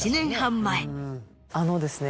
あのですね